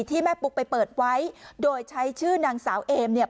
ที่แม่ปุ๊กไปเปิดไว้โดยใช้ชื่อนางสาวเอมเนี่ย